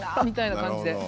みたいな感じで。